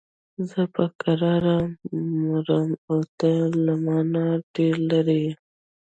زه په کراره مرم او ته له مانه ډېر لرې یې.